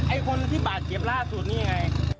ไอ้คนที่บาดเจ็บล่าสุดนี่ไง